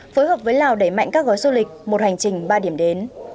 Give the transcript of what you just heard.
phối hợp với lào đẩy mạnh các gói du lịch một hành trình ba điểm đến